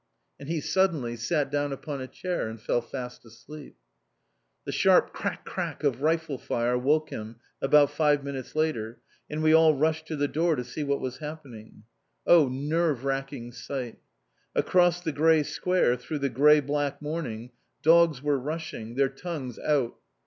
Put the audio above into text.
And he suddenly sat down upon a chair, and fell fast asleep. The sharp crack, crack of rifle fire woke him about five minutes later, and we all rushed to the door to see what was happening. Oh, nerve racking sight! Across the grey square, through the grey black morning, dogs were rushing, their tongues out.